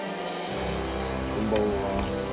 こんばんは。